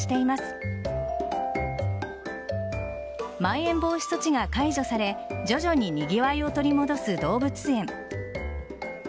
まん延防止措置が解除され徐々ににぎわいを取り戻す動物園。